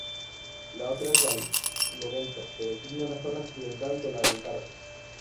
La otra es Barlovento, que designa la zona occidental del Algarve.